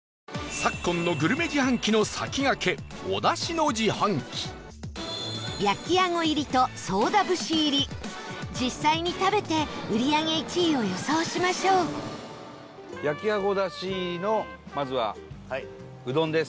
昨今のグルメ自販機の先駆けおだしの自販機焼きあご入りと宗田節入り実際に食べて売り上げ１位を予想しましょう伊達：焼きあごだし入りのまずは、うどんです。